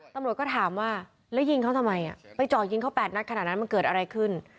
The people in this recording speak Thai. ตำรวจก็ถามว่าแล้วยิงเขาทำไมไปเจาะยิงเขา๘นัดขนาดนั้นมันเกิดอะไรขึ้น